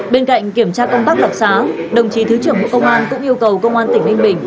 bên cạnh kiểm tra công tác đặc sá đồng chí thứ trưởng công an cũng yêu cầu công an tỉnh ninh bình